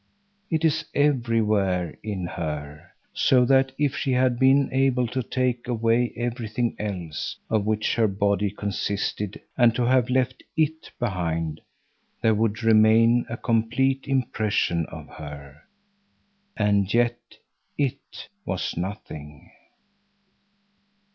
It is everywhere in her, so that if she had been able to take away everything else of which her body consisted and to have left "it" behind, there would remain a complete impression of her. And yet "it" was nothing.